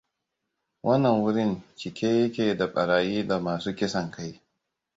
Wannan wurin cike yake da barayi da masu kisan kai.